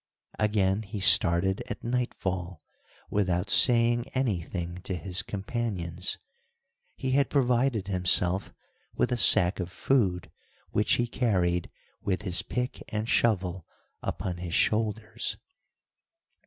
Again he started at nightfall, without saying any thing to his companions. He had provided himself with a sack of food, which he carried, with his pick and shovel, upon his shoulders.